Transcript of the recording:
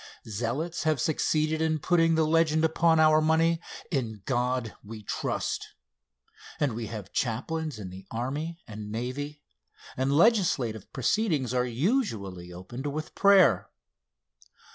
Zealots have succeeded in putting the legend upon our money: "In God We Trust;" and we have chaplains in the army and navy, and legislative proceedings are usually opened with prayer.